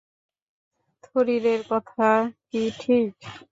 থরিরের কথা কি ঠিক?